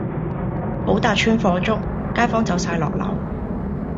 寶達邨火燭，街坊走曬落樓